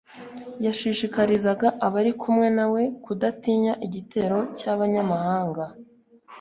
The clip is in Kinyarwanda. yashishikarizaga abari kumwe na we kudatinya igitero cy'abanyamahanga